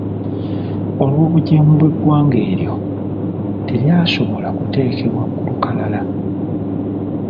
Olw’obugyemu bw’eggwanga eryo, teryasobola kuteekebwa ku lukalala.